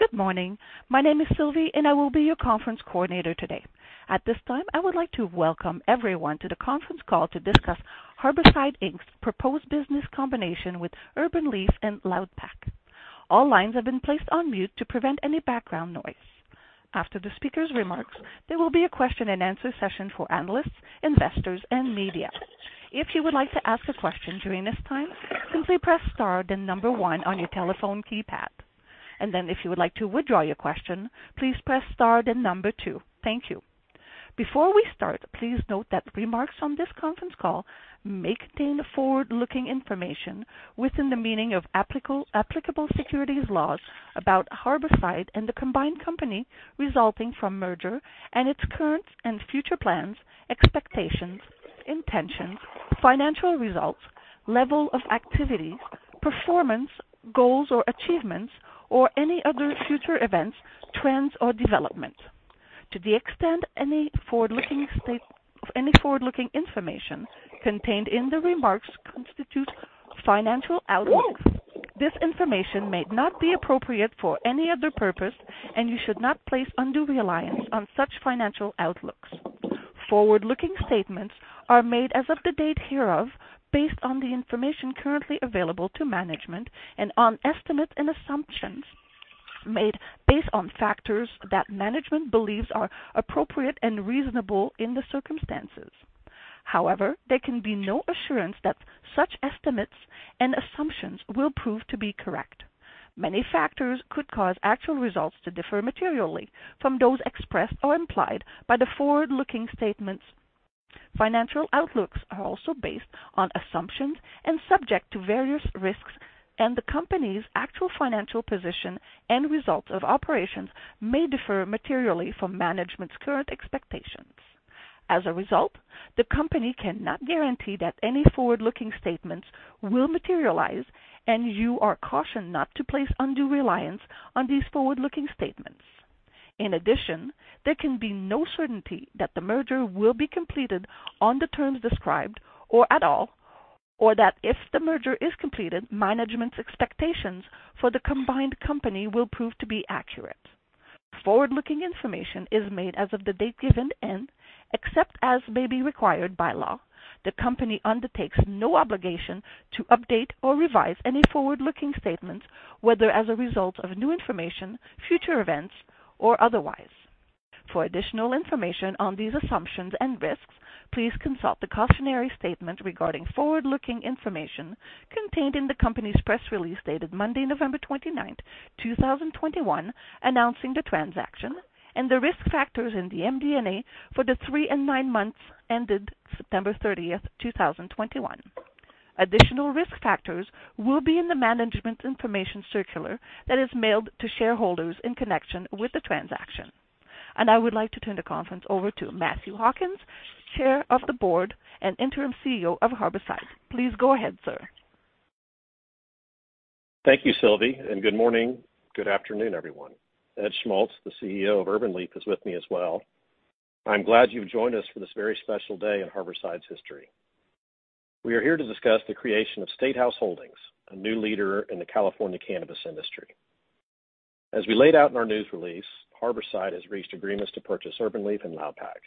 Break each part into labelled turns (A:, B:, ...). A: Good morning. My name is Sylvie, and I will be your conference coordinator today. At this time, I would like to welcome everyone to the conference call to discuss Harborside Inc.'s proposed business combination with Urbn Leaf and Loudpack. All lines have been placed on mute to prevent any background noise. After the speaker's remarks, there will be a question-and-answer session for analysts, investors, and media. If you would like to ask a question during this time, simply press star, then number one on your telephone keypad. If you would like to withdraw your question, please press star then number two. Thank you. Before we start, please note that remarks on this conference call may contain forward-looking information within the meaning of applicable securities laws about Harborside and the combined company resulting from merger and its current and future plans, expectations, intentions, financial results, level of activities, performance, goals or achievements, or any other future events, trends, or developments. To the extent any forward-looking information contained in the remarks constitute financial outlooks. This information may not be appropriate for any other purpose, and you should not place undue reliance on such financial outlooks. Forward-looking statements are made as of the date hereof, based on the information currently available to management and on estimates and assumptions made based on factors that management believes are appropriate and reasonable in the circumstances. However, there can be no assurance that such estimates and assumptions will prove to be correct. Many factors could cause actual results to differ materially from those expressed or implied by the forward-looking statements. Financial outlooks are also based on assumptions and subject to various risks, and the Company's actual financial position and results of operations may differ materially from management's current expectations. As a result, the Company cannot guarantee that any forward-looking statements will materialize, and you are cautioned not to place undue reliance on these forward-looking statements. In addition, there can be no certainty that the merger will be completed on the terms described or at all, or that if the merger is completed, management's expectations for the combined company will prove to be accurate. Forward-looking information is made as of the date given, and except as may be required by law, the Company undertakes no obligation to update or revise any forward-looking statements, whether as a result of new information, future events, or otherwise. For additional information on these assumptions and risks, please consult the cautionary statement regarding forward-looking information contained in the Company's press release dated Monday, November 29th, 2021, announcing the transaction and the risk factors in the MD&A for the three and nine months ended September 30th, 2021. Additional risk factors will be in the Management Information Circular that is mailed to shareholders in connection with the transaction. I would like to turn the conference over to Matthew Hawkins, Chairman of the Board and Interim CEO of Harborside. Please go ahead, sir.
B: Thank you, Sylvie, and good morning, good afternoon, everyone. Ed Schmults, the CEO of Urbn Leaf, is with me as well. I'm glad you've joined us for this very special day in Harborside's history. We are here to discuss the creation of StateHouse Holdings, a new leader in the California Cannabis Industry. As we laid out in our news release, Harborside has reached agreements to purchase Urbn Leaf and Loudpack.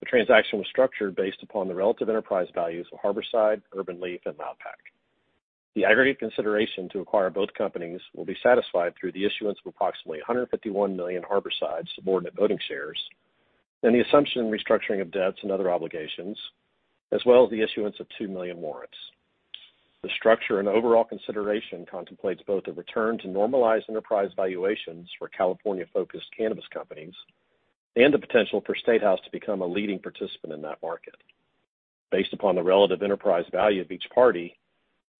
B: The transaction was structured based upon the relative enterprise values of Harborside, Urbn Leaf, and Loudpack. The aggregate consideration to acquire both companies will be satisfied through the issuance of approximately 151 million Harborside subordinate voting shares and the assumption and restructuring of debts and other obligations, as well as the issuance of 2 million warrants. The structure and overall consideration contemplates both a return to normalized enterprise valuations for California-focused cannabis companies and the potential for StateHouse to become a leading participant in that market. Based upon the relative enterprise value of each party,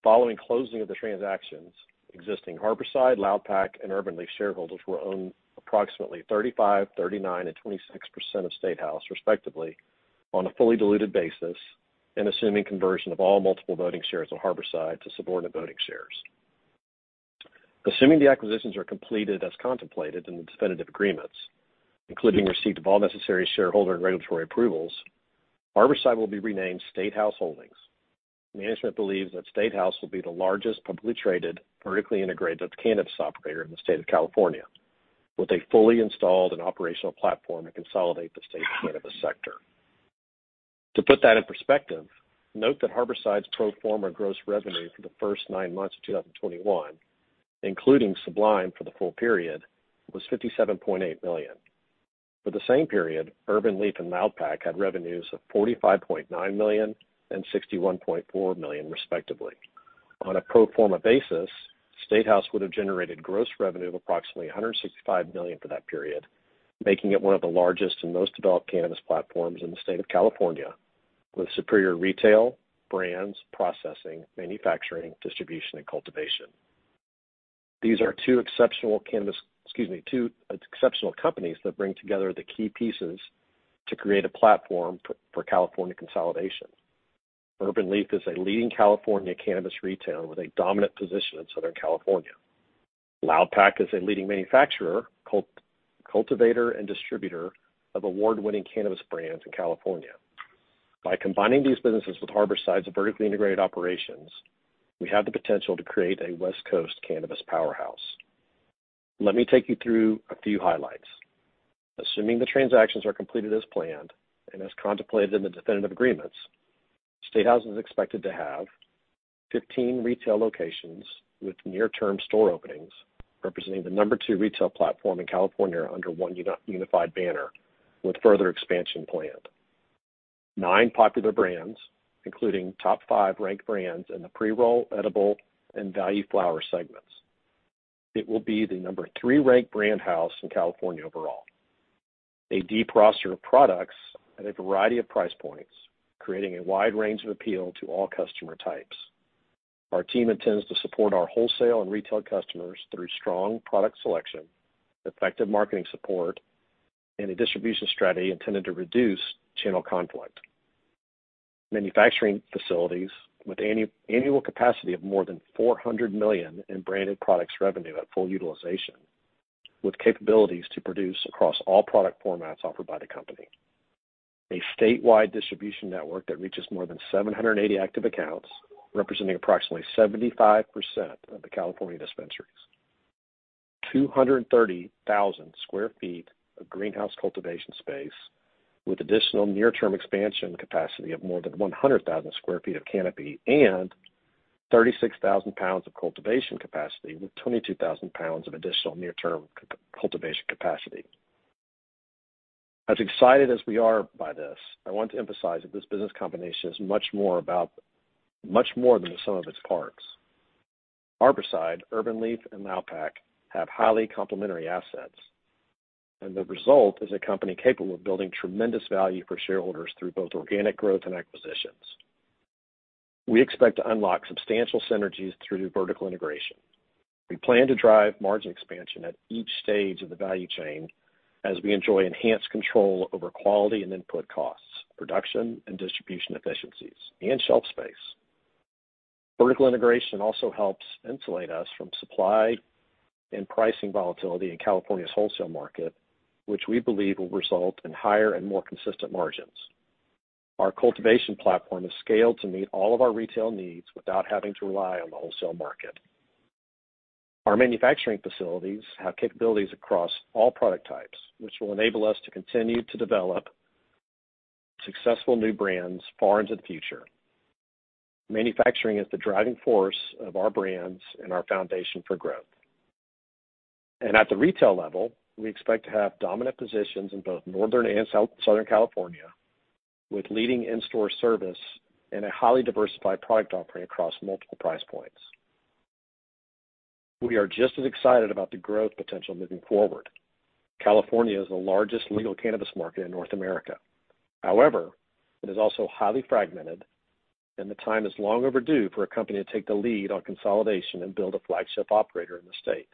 B: following closing of the transactions, existing Harborside, Loudpack, and Urbn Leaf shareholders will own approximately 35%, 39%, and 26% of StateHouse, respectively, on a fully diluted basis and assuming conversion of all multiple voting shares of Harborside to subordinate voting shares. Assuming the acquisitions are completed as contemplated in the definitive agreements, including receipt of all necessary shareholder and regulatory approvals, Harborside will be renamed StateHouse Holdings. Management believes that StateHouse will be the largest publicly traded, vertically integrated cannabis operator in the state of California, with a fully installed and operational platform to consolidate the state's cannabis sector. To put that in perspective, note that Harborside's pro forma gross revenue for the first nine months of 2021, including Sublime for the full period, was $57.8 million. For the same period, Urbn Leaf and Loudpack had revenues of $45.9 million and $61.4 million, respectively. On a pro forma basis, StateHouse would have generated gross revenue of approximately $165 million for that period, making it one of the largest and most developed cannabis platforms in the state of California, with superior retail, brands, processing, manufacturing, distribution, and cultivation. These are two exceptional companies that bring together the key pieces to create a platform for California consolidation. Urbn Leaf is a leading California cannabis retailer with a dominant position in Southern California. Loudpack is a leading manufacturer, cultivator, and distributor of award-winning cannabis brands in California. By combining these businesses with Harborside's vertically integrated operations, we have the potential to create a West Coast cannabis powerhouse. Let me take you through a few highlights. Assuming the transactions are completed as planned and as contemplated in the definitive agreements, StateHouse is expected to have 15 retail locations with near-term store openings, representing the number two retail platform in California under one unified banner with further expansion planned. Nine popular brands, including top five ranked brands in the pre-roll, edible, and value flower segments. It will be the number three ranked brand house in California overall. A deep roster of products at a variety of price points, creating a wide range of appeal to all customer types. Our team intends to support our wholesale and retail customers through strong product selection, effective marketing support, and a distribution strategy intended to reduce channel conflict. Manufacturing facilities with annual capacity of more than $400 million in branded products revenue at full utilization, with capabilities to produce across all product formats offered by the company. A statewide distribution network that reaches more than 780 active accounts, representing approximately 75% of the California dispensaries. 230,000 sq ft of greenhouse cultivation space with additional near-term expansion capacity of more than 100,000 sq ft of canopy and 36,000 lbsof cultivation capacity, with 22,000 lbs of additional near-term cultivation capacity. As excited as we are by this, I want to emphasize that this Business Combination is much more about much more than the sum of its parts. Harborside, Urbn Leaf, and Loudpack have highly complementary assets, and the result is a company capable of building tremendous value for shareholders through both organic growth and acquisitions. We expect to unlock substantial synergies through vertical integration. We plan to drive margin expansion at each stage of the value chain as we enjoy enhanced control over quality and input costs, production and distribution efficiencies, and shelf space. Vertical integration also helps insulate us from supply and pricing volatility in California's wholesale market, which we believe will result in higher and more consistent margins. Our cultivation platform is scaled to meet all of our retail needs without having to rely on the wholesale market. Our manufacturing facilities have capabilities across all product types, which will enable us to continue to develop successful new brands far into the future. Manufacturing is the driving force of our brands and our foundation for growth. At the retail level, we expect to have dominant positions in both Northern and Southern California, with leading in-store service and a highly diversified product offering across multiple price points. We are just as excited about the growth potential moving forward. California is the largest legal cannabis market in North America. However, it is also highly fragmented and the time is long overdue for a company to take the lead on consolidation and build a flagship operator in the state.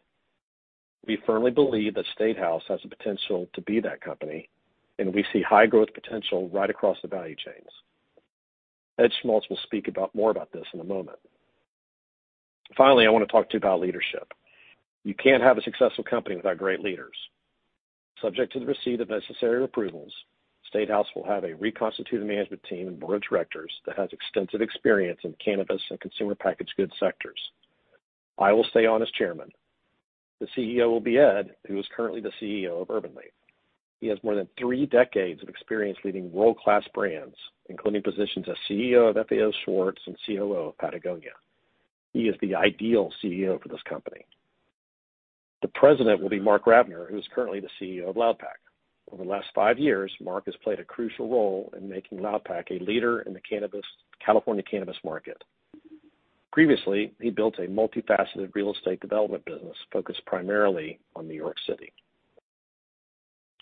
B: We firmly believe that StateHouse has the potential to be that company, and we see high growth potential right across the value chains. Ed Schmults will speak more about this in a moment. Finally, I wanna talk to you about leadership. You can't have a successful company without great leaders. Subject to the receipt of necessary approvals, StateHouse will have a reconstituted management team and board of directors that has extensive experience in cannabis and consumer packaged goods sectors. I will stay on as chairman. The CEO will be Ed, who is currently the CEO of Urbn Leaf. He has more than three decades of experience leading world-class brands, including positions as CEO of FAO Schwarz and COO of Patagonia. He is the ideal CEO for this company. The president will be Marc Ravner, who is currently the CEO of Loudpack. Over the last five years, Marc has played a crucial role in making Loudpack a leader in the California cannabis market. Previously, he built a multifaceted real estate development business focused primarily on New York City.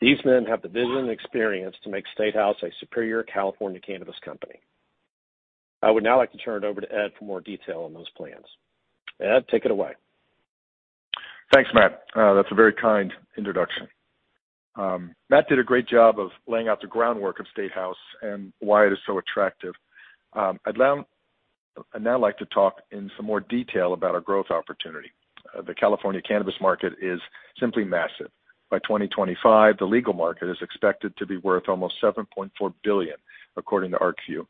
B: These men have the vision and experience to make StateHouse a superior California cannabis company. I would now like to turn it over to Ed for more detail on those plans. Ed, take it away.
C: Thanks, Matt. That's a very kind introduction. Matt did a great job of laying out the groundwork of StateHouse and why it is so attractive. I'd now like to talk in some more detail about our growth opportunity. The California cannabis market is simply massive. By 2025, the legal market is expected to be worth almost $7.4 billion, according to Arcview.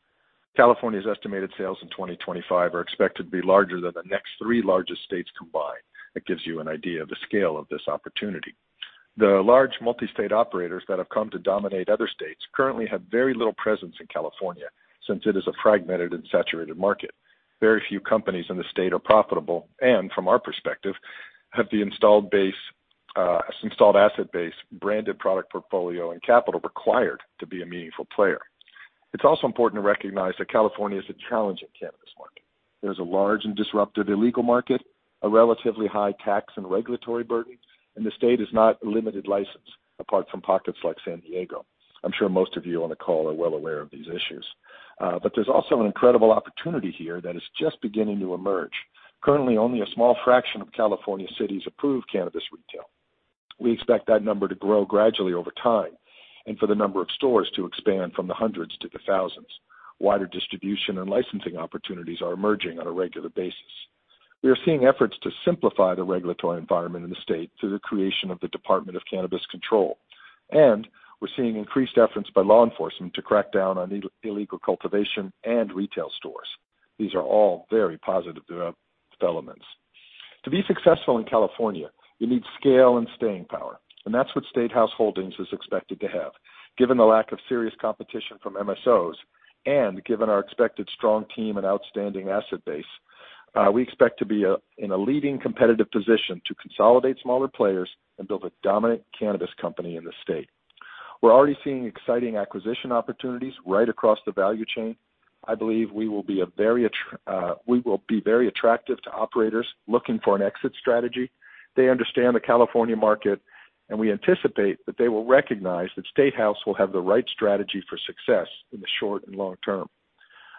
C: California's estimated sales in 2025 are expected to be larger than the next three largest states combined. That gives you an idea of the scale of this opportunity. The large multi-state operators that have come to dominate other states currently have very little presence in California, since it is a fragmented and saturated market. Very few companies in the state are profitable and, from our perspective, have the installed base, installed asset base, branded product portfolio, and capital required to be a meaningful player. It's also important to recognize that California is a challenging cannabis market. There's a large and disruptive illegal market, a relatively high tax and regulatory burden, and the state is not a limited license, apart from pockets like San Diego. I'm sure most of you on the call are well aware of these issues. There's also an incredible opportunity here that is just beginning to emerge. Currently, only a small fraction of California cities approve cannabis retail. We expect that number to grow gradually over time, and for the number of stores to expand from the hundreds to the thousands. Wider distribution and licensing opportunities are emerging on a regular basis. We are seeing efforts to simplify the regulatory environment in the state through the creation of the Department of Cannabis Control. We're seeing increased efforts by law enforcement to crack down on illegal cultivation and retail stores. These are all very positive developments. To be successful in California, you need scale and staying power, and that's what StateHouse Holdings is expected to have. Given the lack of serious competition from MSOs, and given our expected strong team and outstanding asset base, we expect to be in a leading competitive position to consolidate smaller players and build a dominant cannabis company in the state. We're already seeing exciting acquisition opportunities right across the value chain. I believe we will be very attractive to operators looking for an exit strategy. They understand the California market, and we anticipate that they will recognize that StateHouse will have the right strategy for success in the short and long term.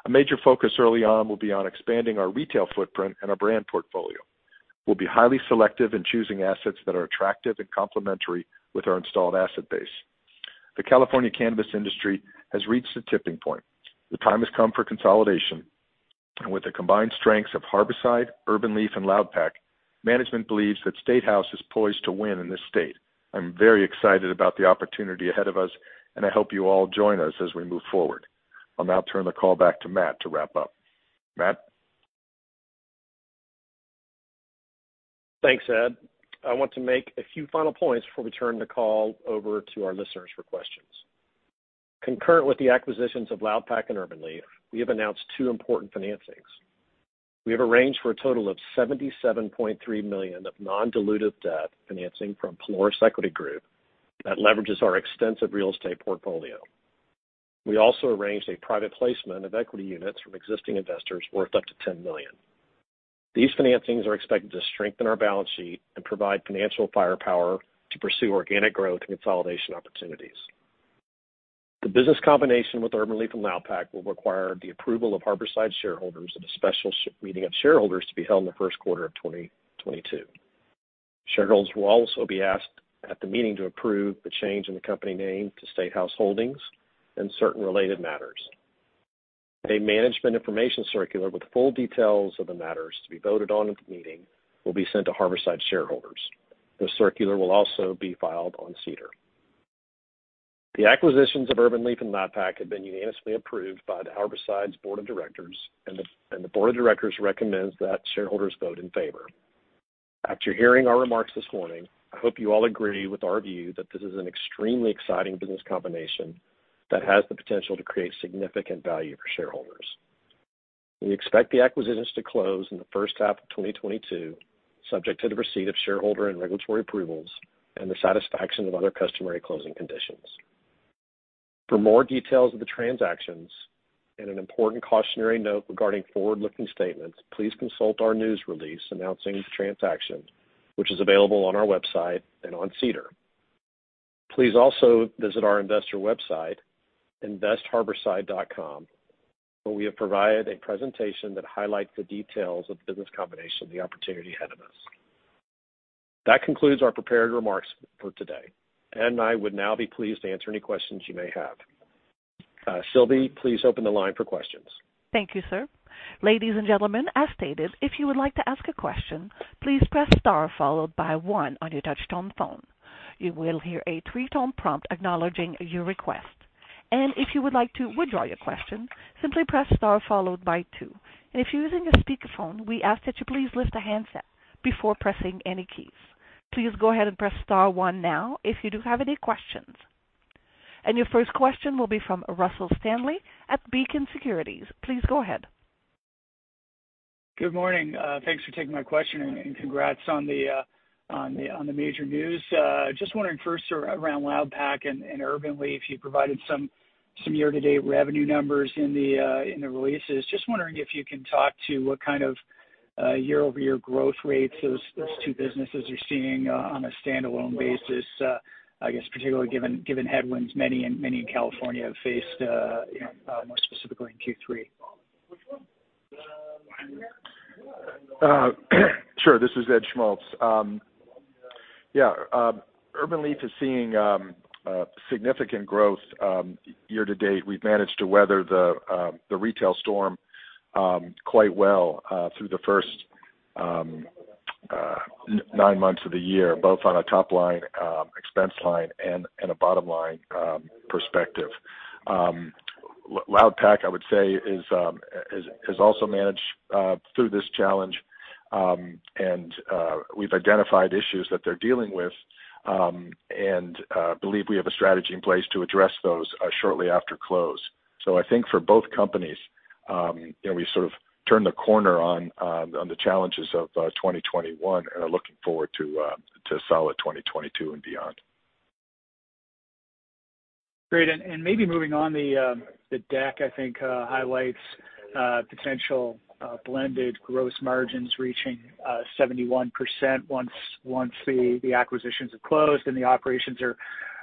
C: A major focus early on will be on expanding our retail footprint and our brand portfolio. We'll be highly selective in choosing assets that are attractive and complementary with our installed asset base. The California cannabis industry has reached a tipping point. The time has come for consolidation. With the combined strengths of Harborside, Urbn Leaf, and Loudpack, management believes that StateHouse is poised to win in this state. I'm very excited about the opportunity ahead of us, and I hope you all join us as we move forward. I'll now turn the call back to Matt to wrap up. Matt?
B: Thanks, Ed. I want to make a few final points before we turn the call over to our listeners for questions. Concurrent with the acquisitions of Loudpack and Urbn Leaf, we have announced two important financings. We have arranged for a total of $77.3 million of non-dilutive debt financing from Pelorus Equity Group that leverages our extensive real estate portfolio. We also arranged a private placement of equity units from existing investors worth up to $10 million. These financings are expected to strengthen our balance sheet and provide financial firepower to pursue organic growth and consolidation opportunities. The Business Combination with Urbn Leaf and Loudpack will require the approval of Harborside shareholders at a special meeting of shareholders to be held in the first quarter of 2022. Shareholders will also be asked at the meeting to approve the change in the company name to StateHouse Holdings and certain related matters. A management information circular with full details of the matters to be voted on at the meeting will be sent to Harborside shareholders. The circular will also be filed on SEDAR. The acquisitions of Urbn Leaf and Loudpack have been unanimously approved by Harborside's board of directors, and the board of directors recommends that shareholders vote in favor. After hearing our remarks this morning, I hope you all agree with our view that this is an extremely exciting business combination that has the potential to create significant value for shareholders. We expect the acquisitions to close in the first half of 2022, subject to the receipt of shareholder and regulatory approvals and the satisfaction of other customary closing conditions. For more details of the transactions and an important cautionary note regarding forward-looking statements, please consult our news release announcing the transaction, which is available on our website and on SEDAR. Please also visit our investor website, investharborside.com, where we have provided a presentation that highlights the details of the Business Combination and the opportunity ahead of us. That concludes our prepared remarks for today. Ed and I would now be pleased to answer any questions you may have. Sylvie, please open the line for questions.
A: Thank you, sir. Ladies and gentlemen, as stated, if you would like to ask a question, please press star followed by one on your touch-tone phone. You will hear a three-tone prompt acknowledging your request. If you would like to withdraw your question, simply press star followed by two. If you're using a speakerphone, we ask that you please lift the handset before pressing any keys. Please go ahead and press star one now if you do have any questions. Your first question will be from Russell Stanley at Beacon Securities. Please go ahead.
D: Good morning. Thanks for taking my question, and congrats on the major news. Just wondering first, sir, around Loudpack and Urbn Leaf, you provided some year-to-date revenue numbers in the releases. Just wondering if you can talk to what kind of year-over-year growth rates those two businesses are seeing on a standalone basis, I guess particularly given headwinds many in California have faced, you know, more specifically in Q3.
C: Sure. This is Ed Schmults. Yeah, Urbn Leaf is seeing significant growth year to date. We've managed to weather the retail storm quite well through the first nine months of the year, both on a top line, expense line, and a bottom line perspective. Loudpack, I would say, has also managed through this challenge, and we've identified issues that they're dealing with and believe we have a strategy in place to address those shortly after close. I think for both companies, you know, we sort of turned the corner on the challenges of 2021 and are looking forward to a solid 2022 and beyond.
D: Great. Maybe moving on, the deck I think highlights potential blended gross margins reaching 71% once the acquisitions have closed and the operations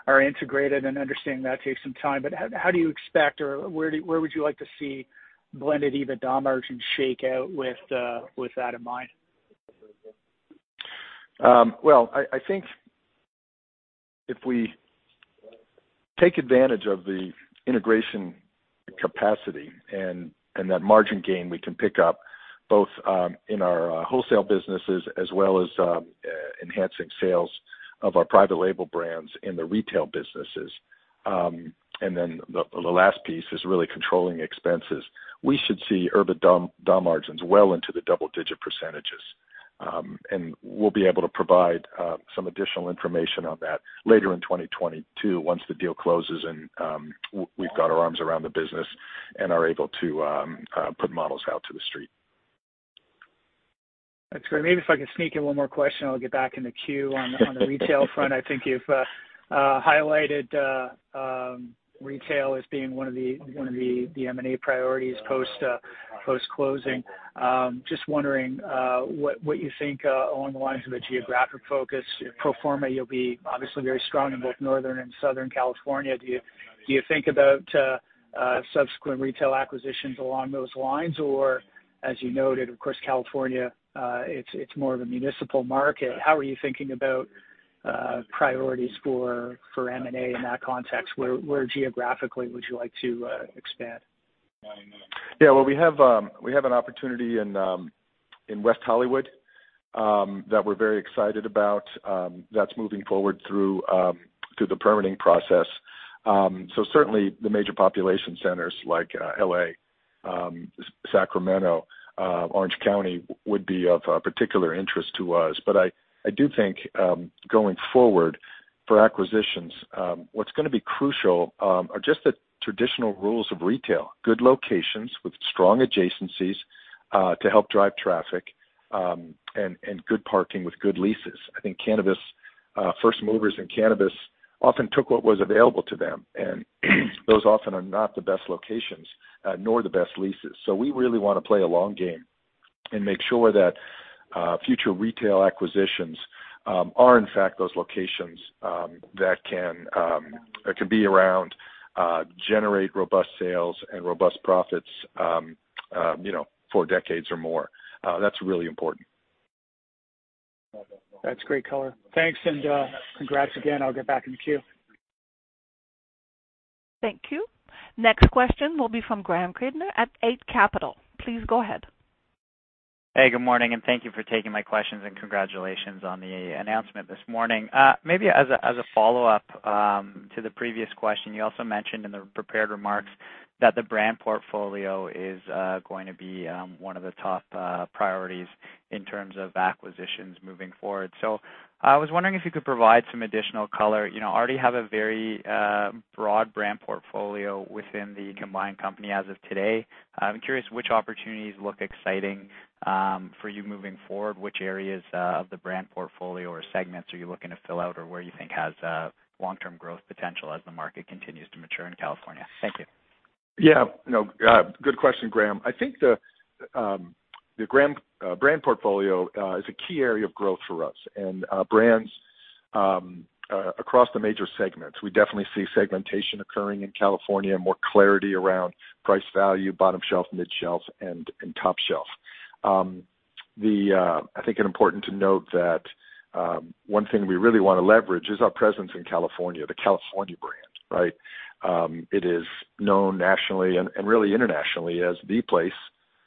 D: are integrated. Understanding that takes some time, but how do you expect or where would you like to see blended EBITDA margin shake out with that in mind?
C: Well, I think if we take advantage of the integration capacity and that margin gain, we can pick up both in our wholesale businesses as well as enhancing sales of our private label brands in the retail businesses. The last piece is really controlling expenses. We should see EBITDA margins well into the double-digit percentages. We'll be able to provide some additional information on that later in 2022 once the deal closes and we've got our arms around the business and are able to put models out to the street.
D: That's great. Maybe if I can sneak in one more question, I'll get back in the queue. On the retail front, I think you've highlighted retail as being one of the M&A priorities post closing. Just wondering what you think along the lines of a geographic focus. Pro forma, you'll be obviously very strong in both Northern and Southern California. Do you think about subsequent retail acquisitions along those lines? Or as you noted, of course, California it's more of a municipal market. How are you thinking about priorities for M&A in that context? Where geographically would you like to expand?
C: Yeah. Well, we have an opportunity in West Hollywood that we're very excited about, that's moving forward through the permitting process. Certainly the major population centers like L.A., Sacramento, Orange County would be of particular interest to us. I do think, going forward for acquisitions, what's gonna be crucial are just the traditional rules of retail, good locations with strong adjacencies to help drive traffic, and good parking with good leases. I think cannabis first movers in cannabis often took what was available to them, and those often are not the best locations, nor the best leases. We really wanna play a long game and make sure that future retail acquisitions are in fact those locations that can be around generate robust sales and robust profits, you know, for decades or more. That's really important.
D: That's great color. Thanks, and congrats again. I'll get back in the queue.
A: Thank you. Next question will be from Graeme Kreindler at Eight Capital. Please go ahead.
E: Hey, good morning, and thank you for taking my questions, and congratulations on the announcement this morning. Maybe as a follow-up to the previous question, you also mentioned in the prepared remarks that the brand portfolio is going to be one of the top priorities in terms of acquisitions moving forward. I was wondering if you could provide some additional color. You know, you already have a very broad brand portfolio within the combined company as of today. I'm curious which opportunities look exciting for you moving forward, which areas of the brand portfolio or segments are you looking to fill out, or where you think has long-term growth potential as the market continues to mature in California? Thank you.
C: Yeah. No, good question, Graeme. I think the brand portfolio is a key area of growth for us and brands across the major segments. We definitely see segmentation occurring in California, more clarity around price value, bottom shelf, mid shelf and top shelf. I think it's important to note that one thing we really wanna leverage is our presence in California, the California brand, right? It is known nationally and really internationally as the place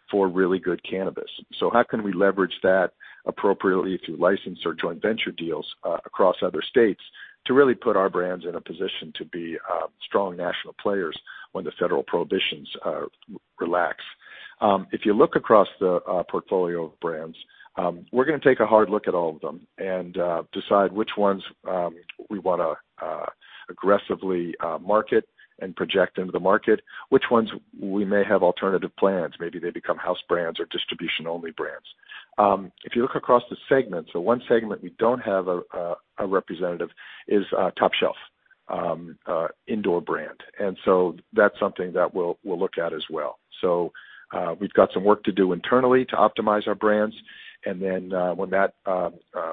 C: for really good cannabis. How can we leverage that appropriately through license or joint venture deals across other states to really put our brands in a position to be strong national players when the federal prohibitions relax? If you look across the portfolio of brands, we're gonna take a hard look at all of them and decide which ones we wanna aggressively market and project into the market, which ones we may have alternative plans. Maybe they become house brands or distribution-only brands. If you look across the segments, the one segment we don't have a representative is top-shelf indoor brand. That's something that we'll look at as well. We've got some work to do internally to optimize our brands, and then when that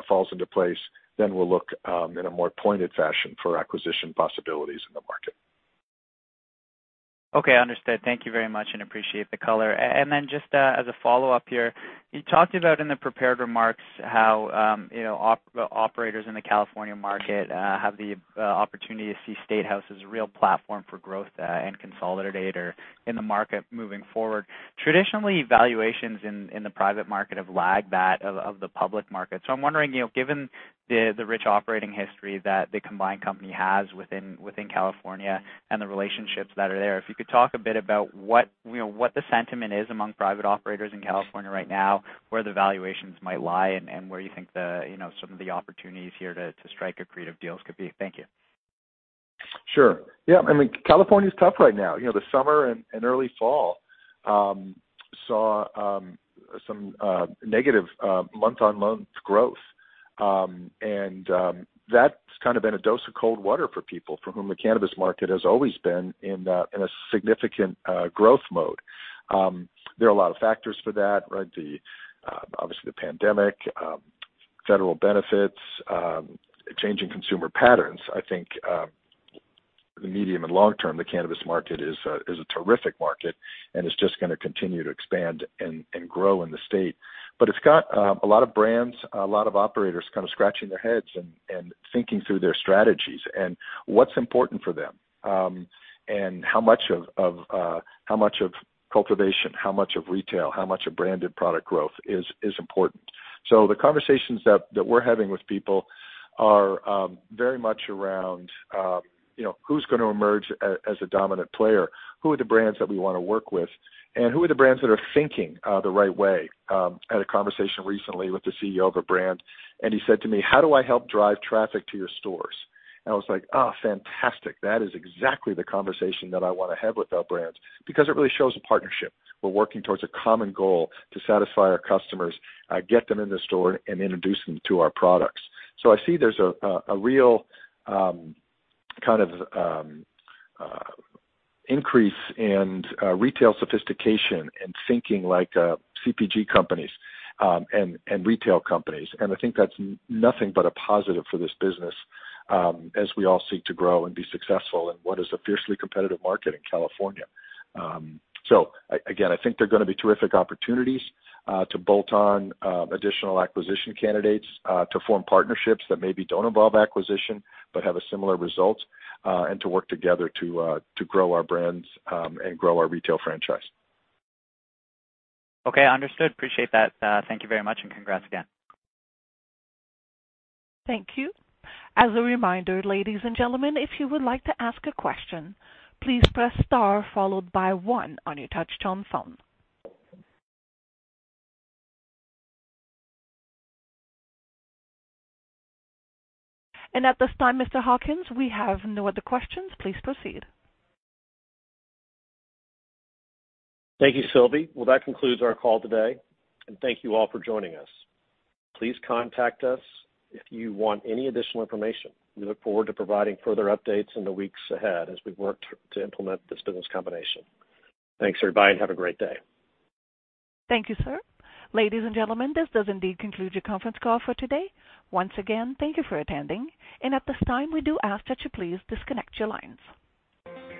C: falls into place, we'll look in a more pointed fashion for acquisition possibilities in the market.
E: Okay, understood. Thank you very much and appreciate the color. And then just as a follow-up here, you talked about in the prepared remarks how you know the operators in the California market have the opportunity to see StateHouse as a real platform for growth and consolidator in the market moving forward. Traditionally, valuations in the private market have lagged that of the public market. I'm wondering you know given the rich operating history that the combined company has within California and the relationships that are there, if you could talk a bit about what you know what the sentiment is among private operators in California right now, where the valuations might lie and where you think some of the opportunities here to strike accretive deals could be. Thank you.
C: Sure. Yeah. I mean, California's tough right now. You know, the summer and early fall saw some negative month-on-month growth. That's kind of been a dose of cold water for people for whom the cannabis market has always been in a significant growth mode. There are a lot of factors for that, right? Obviously the pandemic, federal benefits, changing consumer patterns. I think the medium- and long-term, the cannabis market is a terrific market and is just gonna continue to expand and grow in the state. It's got a lot of brands, a lot of operators kind of scratching their heads and thinking through their strategies and what's important for them, and how much of cultivation, how much of retail, how much of branded product growth is important. The conversations that we're having with people are very much around you know, who's gonna emerge as a dominant player? Who are the brands that we wanna work with? And who are the brands that are thinking the right way? I had a conversation recently with the CEO of a brand, and he said to me, "How do I help drive traffic to your stores?" I was like, "Oh, fantastic. That is exactly the conversation that I wanna have with our brands," because it really shows a partnership. We're working towards a common goal to satisfy our customers, get them in the store, and introduce them to our products. I see there's a real kind of increase in retail sophistication and thinking like CPG companies, and retail companies. I think that's nothing but a positive for this business, as we all seek to grow and be successful in what is a fiercely competitive market in California. I think there are gonna be terrific opportunities to bolt on additional acquisition candidates, to form partnerships that maybe don't involve acquisition, but have a similar result, and to work together to grow our brands, and grow our retail franchise.
E: Okay. Understood. Appreciate that. Thank you very much, and congrats again.
A: Thank you. As a reminder, ladies and gentlemen, if you would like to ask a question, please press star followed by one on your touchtone phone. At this time, Mr. Hawkins, we have no other questions. Please proceed.
B: Thank you, Sylvie. Well, that concludes our call today, and thank you all for joining us. Please contact us if you want any additional information. We look forward to providing further updates in the weeks ahead as we work to implement this Business Combination. Thanks, everybody, and have a great day.
A: Thank you, sir. Ladies and gentlemen, this does indeed conclude your conference call for today. Once again, thank you for attending. At this time, we do ask that you please disconnect your lines.